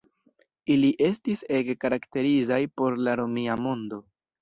Ili estis ege karakterizaj por la Romia mondo.